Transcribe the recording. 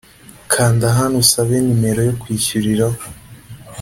kanda hano usabe nimero yo kwishyuriraho